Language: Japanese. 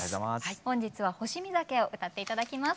本日は「星見酒」を歌って頂きます。